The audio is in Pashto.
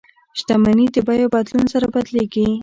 شتمني د بیو بدلون سره بدلیږي.